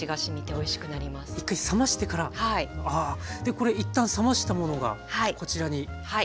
これ一旦冷ましたものがこちらにあります。